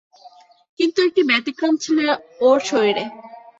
কিন্তু একটি ব্যতিক্রম ছিল ওর শরীরে।